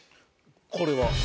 これは？